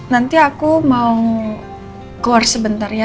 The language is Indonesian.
nanti aku mau core sebentar ya